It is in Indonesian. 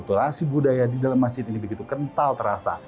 dan akulturasi budaya di dalam masjid ini begitu kental terasa